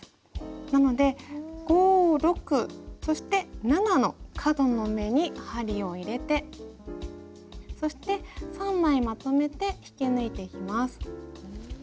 なので５６そして７の角の目に針を入れてそして３枚まとめて引き抜いていきます。